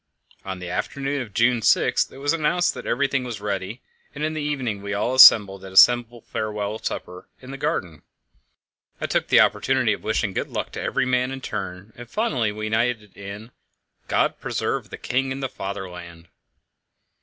On the afternoon of June 6 it was announced that everything was ready, and in the evening we all assembled at a simple farewell supper in the garden. I took the opportunity of wishing good luck to every man in turn, and finally we united in a "God preserve the King and Fatherland!"